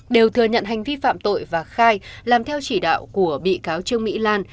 đều thừa nhận hành vi phạm tội và khai làm theo chỉ đạo của bị cáo trương mỹ lan